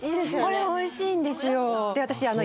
これおいしいんですよあっ